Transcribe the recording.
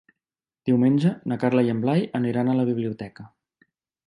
Diumenge na Carla i en Blai aniran a la biblioteca.